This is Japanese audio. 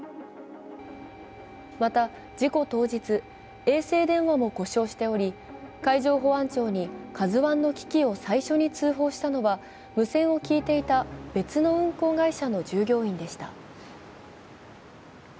また、事故当日、衛星電話も故障しており、海上保安庁に「ＫＡＺＵⅠ」の危機を最初に通報したのは無線を聞いていた別の運航会社の従業員でした。